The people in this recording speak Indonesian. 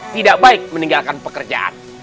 tidak baik meninggalkan pekerjaan